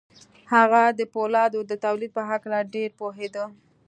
هغه د پولادو د تولید په هکله ډېر پوهېده